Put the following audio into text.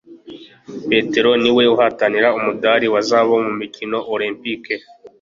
Peter niwe uhatanira umudari wa zahabu mu mikino Olempike